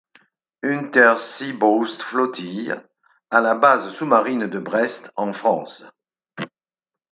Unterseebootsflottille à la base sous-marine de Brest en France.